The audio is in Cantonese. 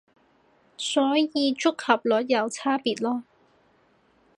所以觸及率有差別囉